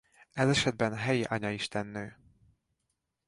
Ez esetben helyi anyaistennő.